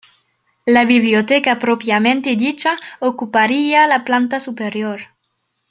La biblioteca propiamente dicha ocuparía la planta superior.